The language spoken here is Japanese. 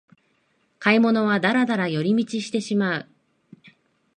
買い物はダラダラ寄り道してしまう